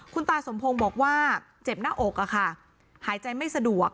คุณตาสมพงศ์บอกว่าเจ็บหน้าอกอะค่ะหายใจไม่สะดวก